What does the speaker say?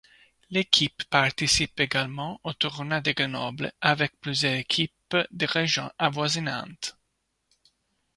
L'équipe participe également au tournoi de Grenoble avec plusieurs équipes des régions avoisinantes.